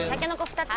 ２つ！